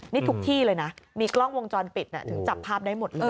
นี่ทุกที่เลยนะมีกล้องวงจรปิดถึงจับภาพได้หมดเลย